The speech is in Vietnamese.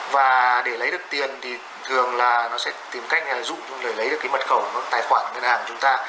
và để lấy được tiền thì thường là nó sẽ tìm cách dụng để lấy được mật khẩu tài khoản ngân hàng của chúng ta